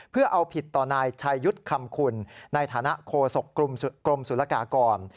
เพื่อเอาผิดต่อนายชายุทธ์คำคุณในฐานะโคศกกรมศุลกากร